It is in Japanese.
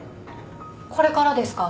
これからですか？